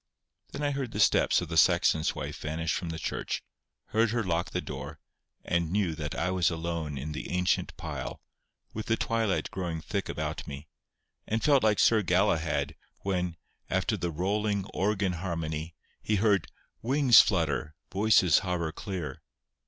Then I heard the steps of the sexton's wife vanish from the church, heard her lock the door, and knew that I was alone in the ancient pile, with the twilight growing thick about me, and felt like Sir Galahad, when, after the "rolling organ harmony," he heard "wings flutter, voices hover clear."